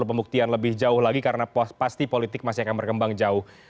jadi perlu pembuktian lebih jauh lagi karena pasti politik masih akan berkembang jauh